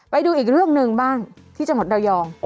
ไปดูอีกเรื่องหนึ่งบ้างที่จังหวัดระยอง